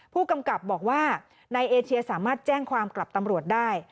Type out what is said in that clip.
ผู้กำกับบอกว่านายเอเชียสามารถแจ้งความกลับตำรวจได้